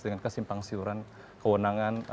dengan kesimpangsiuran kewenangan